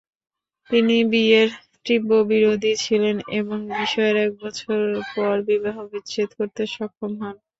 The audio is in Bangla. তিনি বিয়ের তীব্র বিরোধী ছিলেন, এবং বিয়ের এক বছর পরে বিবাহবিচ্ছেদ করতে সক্ষম হন।